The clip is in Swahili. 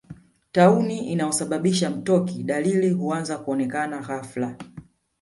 Tauni inayosababisha mtoki Dalili huanza kuonekana ghafla